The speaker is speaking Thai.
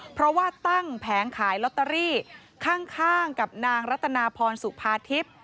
เพราะว่าตั้งแผงขายลอตเตอรี่ข้างกับนางรัตนาพรสุภาทิพย์